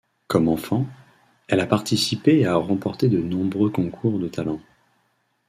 Comme enfant, elle a participé et a remporté de nombreux concours de talents.